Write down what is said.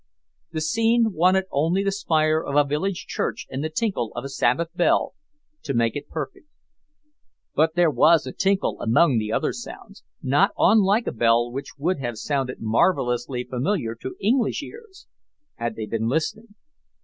The scene wanted only the spire of a village church and the tinkle of a Sabbath bell to make it perfect. But there was a tinkle among the other sounds, not unlike a bell which would have sounded marvellously familiar to English ears had they been listening.